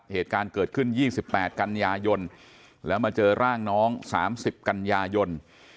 เหตุการณ์เกิดขึ้นยี่สิบแปดกัญญายนแล้วมาเจอร่างน้องสามสิบกัญญายน